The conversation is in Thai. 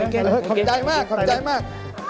ขอบใจมาก